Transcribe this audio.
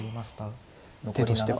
手としては。